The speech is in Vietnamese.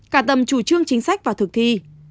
cả tầm chủ trương chính sách và thực thi